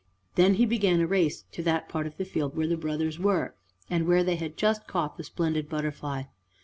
Then he began a race to that part of the field where the brothers were, and where they had just caught the splendid butterfly.